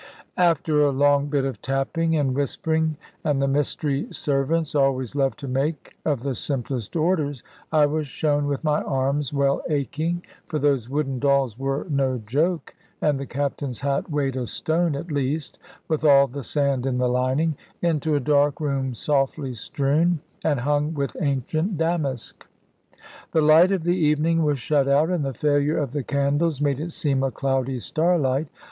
After a long bit of tapping, and whispering, and the mystery servants always love to make of the simplest orders, I was shown with my arms well aching (for those wooden dolls were no joke, and the Captain's hat weighed a stone at least, with all the sand in the lining) into a dark room softly strewn, and hung with ancient damask. The light of the evening was shut out, and the failure of the candles made it seem a cloudy starlight.